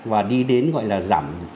và đi đến gọi là giảm